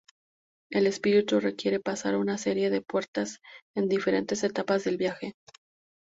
El espíritu requiere pasar una serie de "puertas" en diferentes etapas del viaje.